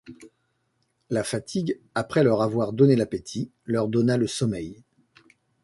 La fatigue après leur avoir donné l’appétit, leur donna le sommeil.